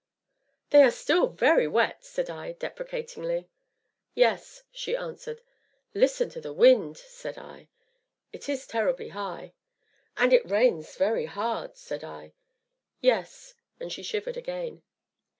"They are still very wet!" said I deprecatingly. "Yes," she answered. "Listen to the wind!" said I. "It is terribly high." "And it rains very hard!" said I. "Yes," and she shivered again.